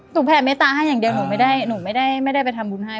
หนูแผ่เมตตาให้อย่างเดียวหนูไม่ได้ไปทำบุญให้